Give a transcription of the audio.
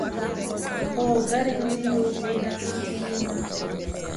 "Oh, gari ndiyo inarudi nyuma"